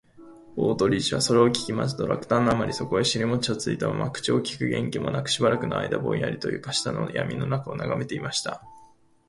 大鳥氏はそれを聞きますと、落胆のあまり、そこへしりもちをついたまま、口をきく元気もなく、しばらくのあいだぼんやりと、床下のやみのなかをながめていました